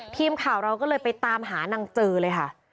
ทีมข่าวเราก็เลยไปตามหานางเจอเลยค่ะ